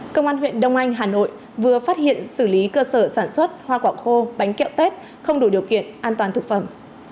công an huyện đông anh hà nội vừa phát hiện xử lý cơ sở sản xuất hoa quả khô bánh kẹo tết không đủ điều kiện an toàn thực phẩm